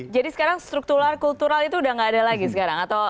jadi sekarang struktural kultural itu sudah tidak ada lagi sekarang atau